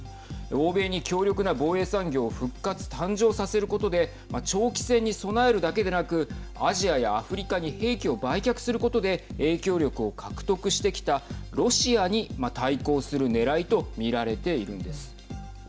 欧米に強力な防衛産業を復活、誕生させることで長期戦に備えるだけでなくアジアやアフリカに兵器を売却することで影響力を獲得してきたロシアに対抗するねらいと見られているんです。